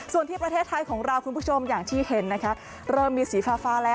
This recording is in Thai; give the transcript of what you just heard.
ส่วนที่ประเทศไทยของเราคุณผู้ชมอย่างที่เห็นนะคะเริ่มมีสีฟ้าแล้ว